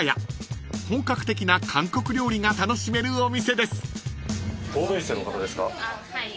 ［本格的な韓国料理が楽しめるお店です］